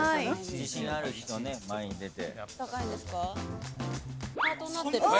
自信ある人ね前に出て。